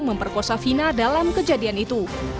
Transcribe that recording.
memperkosa vina dalam kejadian itu